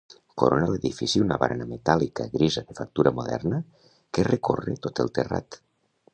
Corona l'edifici una barana metàl·lica grisa de factura moderna que recorre tot el terrat.